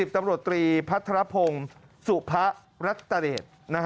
๑๐ตำรวจตรีพัทรพงศ์สุพระรัตตาเลศ